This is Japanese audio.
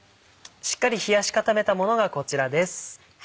しっかり冷やし固めたものがこちらです。